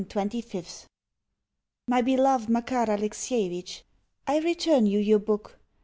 June 25th. MY BELOVED MAKAR ALEXIEVITCH I return you your book.